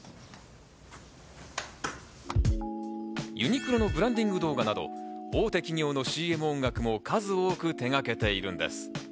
ユニクロのブランディング動画など大手企業のＣＭ音楽も数多く手がけているんです。